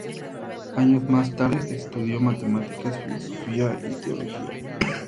Años más tarde, estudió matemáticas, filosofía y teología.